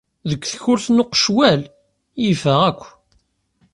Deg tkurt n uqecwal, yif-aɣ akk.